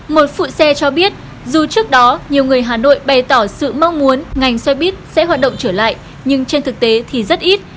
một phụ xe cho biết dù trước đó nhiều người hà nội bày tỏ sự mong muốn ngành xe buýt sẽ hoạt động trở lại nhưng trên thực tế thì rất ít